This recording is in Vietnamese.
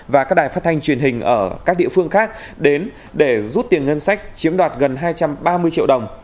và các đài phát thanh truyền hình ở các địa phương khác đến để rút tiền ngân sách chiếm đoạt gần hai trăm ba mươi triệu đồng